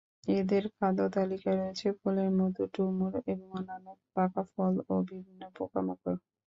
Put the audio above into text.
এদের খাদ্যতালিকায় রয়েছে ফুলের মধু, ডুমুর এবং অন্যান্য পাকা ফল ও বিভিন্ন পোকামাকড়।